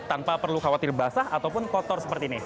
tanpa perlu khawatir basah ataupun kotor seperti ini